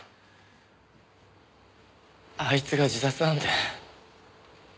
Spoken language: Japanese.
あいつが自殺なんて。